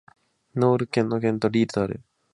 ノール県の県都はリールである